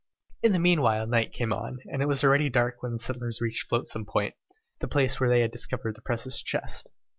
In the meanwhile night came on, and it was already dark when the settlers reached Flotsam Point, the place where they had discovered the precious chest.